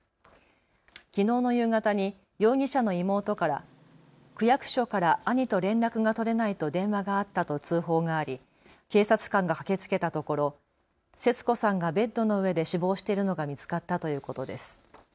きのうの夕方に容疑者の妹から区役所から兄と連絡が取れないと電話があったと通報があり警察官が駆けつけたところ、節子さんがベッドの上で死亡しているのが見つかったということです。